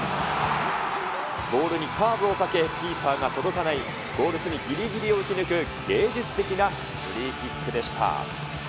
ボールにカーブをかけ、キーパーが届かないゴール隅ぎりぎりを打ち抜く、芸術的なフリーキックでした。